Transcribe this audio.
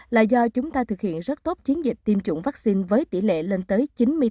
là do chúng ta thực hiện rất tốt chiến dịch tiêm chủng vaccine với tỷ lệ lên tới chín mươi tám chín mươi chín